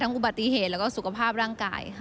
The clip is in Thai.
อุบัติเหตุแล้วก็สุขภาพร่างกายค่ะ